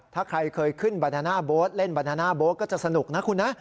ถ้าใครเคยขึ้นบานาน่าโบ๊ทเล่นบานาน่าโบ๊ทก็จะสนุกนะคุณนะ